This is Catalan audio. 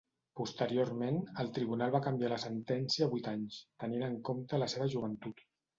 Posteriorment, el tribunal va canviar la sentència a vuit anys, tenint en compte la seva joventut.